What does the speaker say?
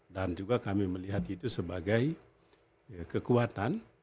dan juga kami melihat itu sebagai kekuatan